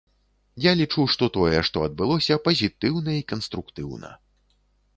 Я лічу, што тое, што адбылося, пазітыўна і канструктыўна.